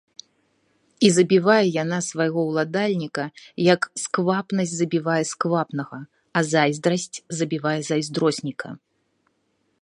І забівае яна свайго ўладальніка, як сквапнасць забівае сквапнага, а зайздрасць забівае зайздросніка.